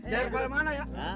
jangan kemana mana ya